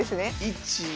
１。